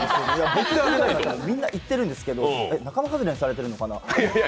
みんな行ってるんですけど、仲間はずれにされてるのかな。